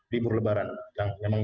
libur lebaran yang memang